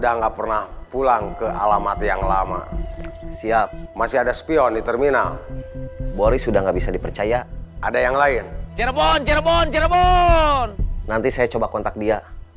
nanti saya coba kontak dia